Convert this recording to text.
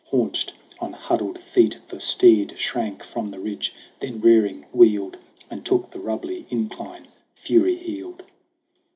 Haunched on huddled feet, The steed shrank from the ridge, then, rearing, wheeled And took the rubbly incline fury heeled.